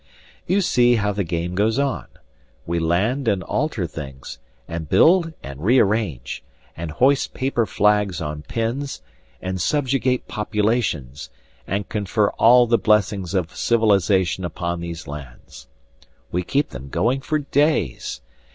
You see how the game goes on. We land and alter things, and build and rearrange, and hoist paper flags on pins, and subjugate populations, and confer all the blessings of civilization upon these lands. We keep them going for days.